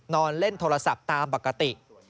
นอนเล่นโทรศัพท์ตามปกติ